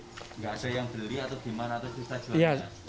enggak saja yang beli atau dimana